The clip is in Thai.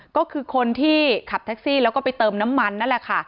ก็คือคนที่ขับแท็กซี่แล้วก็ไปเติมน้ำมันนั่นแหละค่ะ